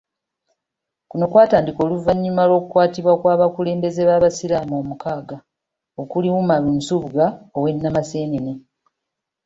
Kuno kwatandika oluvanyuma lw'okukwatibwa kw'abakulembeze b'abasiraamu omukaaga okuli, Umaru Nsubuga ow'e Namaseenene.